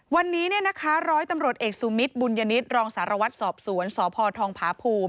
วันนี้เนี่ยนะคะร้อยตำรวจเอกซูมิตรบุญญณิตรองสารวัตรสอบสวนสพพภ